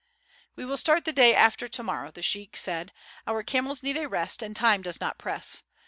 "We will start the day after to morrow," the sheik said. "Our camels need a rest, and time does not press.